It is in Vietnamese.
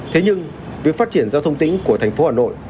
thế nhưng việc phát triển giao thông tỉnh của thành phố hà nội